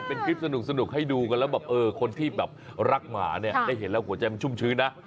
เป็นคลิปสนุกให้ดูกันแล้วแบบเออคนที่แบบรักหมาเนี่ยได้เห็นแล้วหัวใจมันชุ่มชื้นนะ